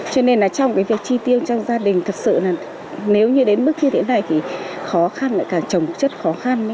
cho nên là trong cái việc chi tiêu trong gia đình thật sự là nếu như đến mức như thế này thì khó khăn lại càng trồng chất khó khăn